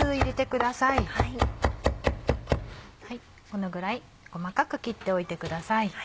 このぐらい細かく切っておいてください。